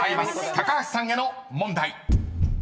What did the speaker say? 高橋さんへの問題］